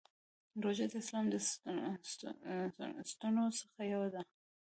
روژه د اسلام د ستنو څخه یوه ده.